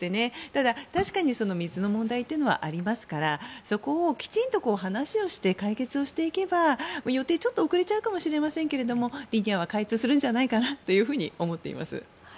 ただ、確かに水の問題というのはありますからそこをきちんと話をして解決をしていけば予定はちょっと遅れちゃうかもしれませんがリニアは開通するんじゃないかなと思っています。